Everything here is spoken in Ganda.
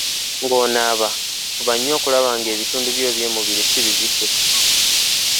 Ng'onaaba, fuba era okulaba nti ebitundu byo ebyomubiri si bizifu.